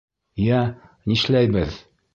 Йә, нишләйбеҙ?